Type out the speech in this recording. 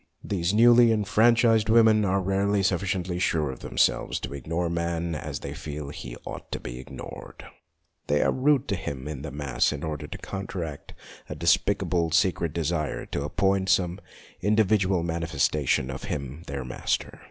These newly enfranchised women are rarely sufficiently sure of themselves to ignore man as they feel he ought to be ignored. They are rude to him in the mass in order to counteract a despicable, secret desire to appoint some individual manifesta tion of him their master.